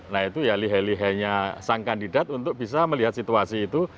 nah itu ya lihe lihenya sang kandidat untuk bisa melihat situasi itu